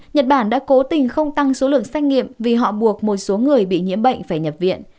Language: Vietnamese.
nhật bản đã cố tình không tăng số lượng xét nghiệm vì họ buộc một số người bị nhiễm bệnh phải nhập viện